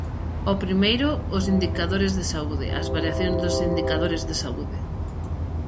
O primeiro, os indicadores de saúde, as variacións dos indicadores de saúde.